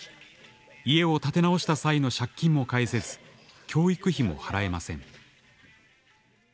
家を建て直した際の借金も返せず教育費も払えません。